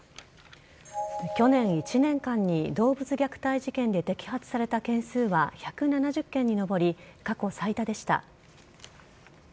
去年１年間に動物虐待事件で摘発された件数は１７０件に上り過去最多でした。